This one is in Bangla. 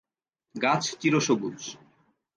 গাছ চির সবুজ।